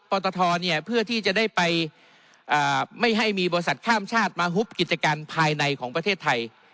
ตทเนี่ยเพื่อที่จะได้ไปไม่ให้มีบริษัทข้ามชาติมาฮุบกิจการภายในของประเทศไทย